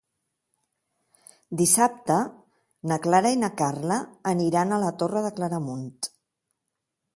Dissabte na Clara i na Carla aniran a la Torre de Claramunt.